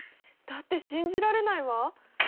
だって信じられないわ。